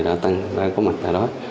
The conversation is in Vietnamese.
đã tăng đã có mặt tại đó